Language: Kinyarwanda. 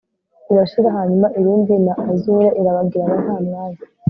Irashira hanyuma irindi na azure irabagirana nta mwanya